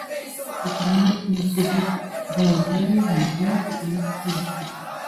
د جومات نه چې لږ بره لاړو نو بيا پۀ سړک سم شو